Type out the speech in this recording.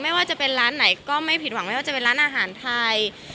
ไม่ว่าจะเป็นร้านไหนก็ไม่ผิดหวังไม่ว่าจะเป็นร้านอาหารไทย